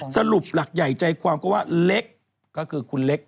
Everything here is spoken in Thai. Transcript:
สรุปหลักใหญ่ใจความก็ว่าเล็กก็คือคุณเล็ก